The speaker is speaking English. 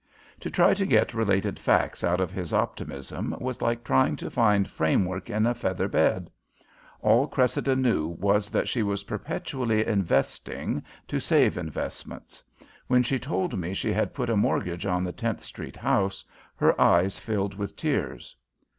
To try to get related facts out of his optimism was like trying to find framework in a feather bed. All Cressida knew was that she was perpetually "investing" to save investments. When she told me she had put a mortgage on the Tenth Street house, her eyes filled with tears.